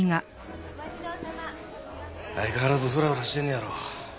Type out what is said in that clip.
相変わらずフラフラしてんのやろ？